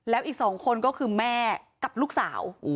แล้วอีก๒คนก็คือแม่กับลูกสาว